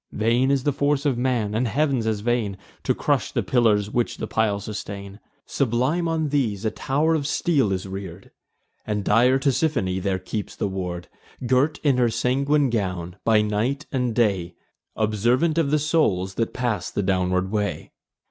Vain is the force of man, and Heav'n's as vain, To crush the pillars which the pile sustain. Sublime on these a tow'r of steel is rear'd; And dire Tisiphone there keeps the ward, Girt in her sanguine gown, by night and day, Observant of the souls that pass the downward way.